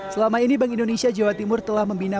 selama ini bank indonesia jawa timur telah membina